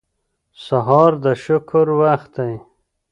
سهار د شکر وخت دی.